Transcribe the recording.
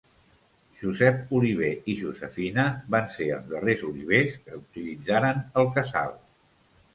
Josep Oliver i Josefina van ser els darrers olivers que utilitzaren el casal.